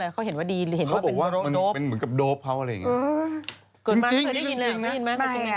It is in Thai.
เขาบอกว่ามันเหมือนกับโดปเขาอะไรแบบเนี่ย